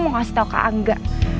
mau kasih tau ke angga